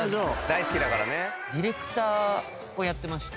ディレクターをやってまして。